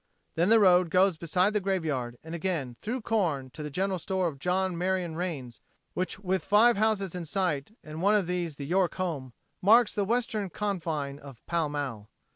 Then the road goes beside the graveyard and again through corn to the general store of John Marion Rains, which with five houses in sight and one of these the York home marks the western confine of Pall Mall.